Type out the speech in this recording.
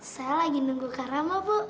saya lagi nunggu karama bu